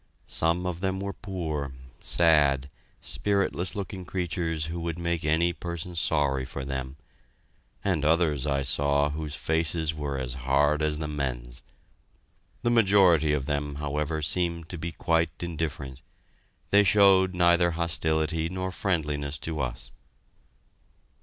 Some of them were poor, sad, spiritless looking creatures who would make any person sorry for them; and others I saw whose faces were as hard as the men's. The majority of them, however, seemed to be quite indifferent; they showed neither hostility nor friendliness to us.